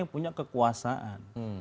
yang punya kekuasaan